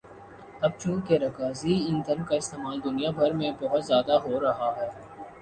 اب چونکہ رکازی ایندھن کا استعمال دنیا بھر میں بہت زیادہ ہورہا ہے